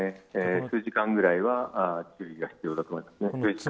数時間ぐらいは注意が必要だと思います。